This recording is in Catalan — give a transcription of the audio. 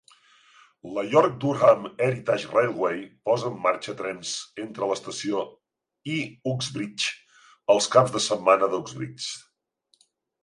La York-Durham Heritage Railway posa en marxa trens entre l"estació i Uxbridge els caps de setmana de Uxbridge.